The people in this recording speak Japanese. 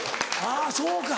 あそうか。